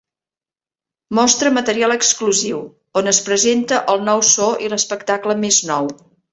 Mostra material exclusiu, on es presenta el nou so i l"espectacle més nou.